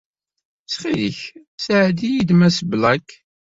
Ttxil-k, sɛeddi-iyi-d Mass Black.